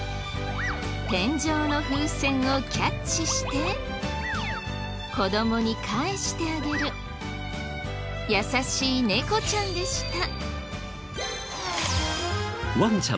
天井の風船をキャッチして子供に返してあげる優しい猫ちゃんでした。